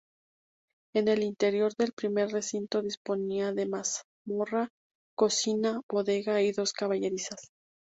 En el interior del primer recinto disponía de mazmorra, cocina, bodega y dos caballerizas.